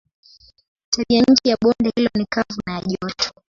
Tabianchi ya bonde hilo ni kavu na ya joto.